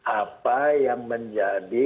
apa yang menjadi